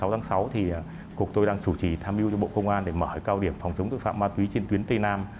sáu tháng sáu thì cục tôi đang chủ trì tham mưu cho bộ công an để mở cao điểm phòng chống tội phạm ma túy trên tuyến tây nam